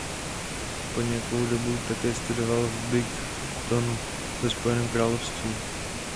Po nějakou dobu také studoval v Brightonu ve Spojeném království.